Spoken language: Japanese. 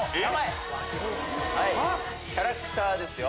キャラクターですよ。